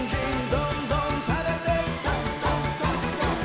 「どんどんどんどん」